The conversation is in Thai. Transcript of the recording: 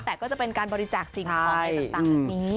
แต่ก็จะเป็นการบริจาคสิ่งของอะไรต่างแบบนี้